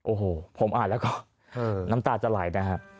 โอ้โหผมอ่านแล้วก็น้ำตาจะไหลนะครับ